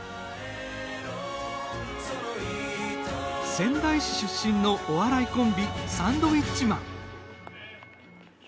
仙台市出身のお笑いコンビサンドウィッチマン。